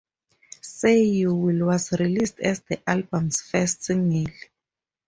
"Say You Will" was released as the album's first single.